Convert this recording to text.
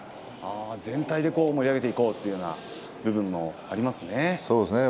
全体で盛り上げていこうという部分もありますね。